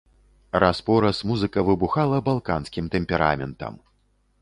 Раз-пораз музыка выбухала балканскім тэмпераментам!